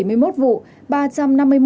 ba trăm năm mươi một đối tượng đánh bạc